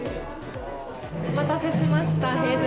お待たせしました。